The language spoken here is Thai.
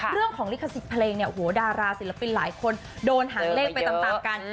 เรื่องของลิขสิทธิ์เพลงเนี่ยโอ้โหดาราศิลปินหลายคนโดนหาเลขไปตามกัน